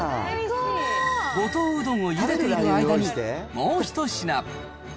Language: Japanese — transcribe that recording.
五島うどんをゆでている間にもう一品。